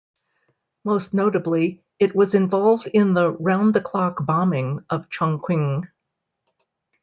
Most notably, it was involved in the round-the-clock bombing of Chongqing.